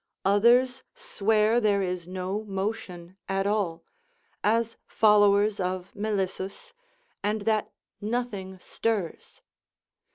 Others swear there is no motion at all, as followers of Melissus, and that nothing stirs.